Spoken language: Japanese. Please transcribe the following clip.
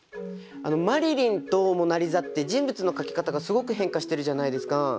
「マリリン」と「モナ・リザ」って人物の描き方がすごく変化してるじゃないですか。